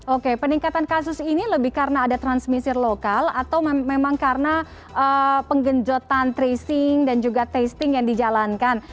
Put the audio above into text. oke peningkatan kasus ini lebih karena ada transmisir lokal atau memang karena penggenjotan tracing dan juga testing yang dijalankan